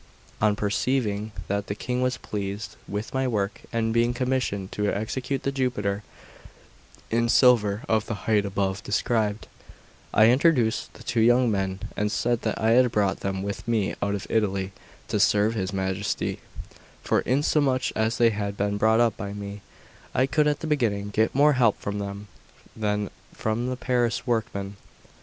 On perceiving that the King was pleased with my work, and being commissioned to execute the Jupiter in silver of the height above described, I introduced the two young men, and said that I had brought them with me out of Italy to serve his Majesty; for inasmuch as they had been brought up by me, I could at the beginning get more help from them than from the Paris workmen.